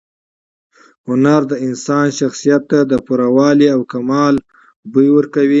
هنر د انسان شخصیت ته د پوره والي او کمال بوی ورکوي.